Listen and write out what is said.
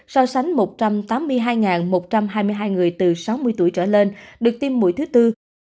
so sánh một trăm tám mươi hai một trăm hai mươi hai người từ sáu mươi tuổi trở lên được tiêm mũi thứ tư